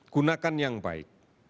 gunakan yang baik